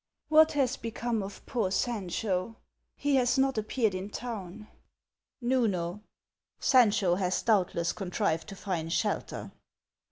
"What has become of poor Sancho ? He has not appeared in town \ A'uno. Sancho has doubtless contrived to find shelter.